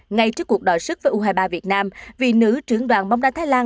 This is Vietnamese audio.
ngay trước cuộc đòi sức với u hai mươi ba việt nam vì nữ trưởng đoàn bóng đá thái lan